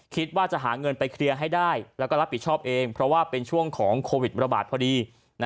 คิดว่าจะหาเงินไปเคลียร์ให้ได้แล้วก็รับผิดชอบเองเพราะว่าเป็นช่วงของโควิดระบาดพอดี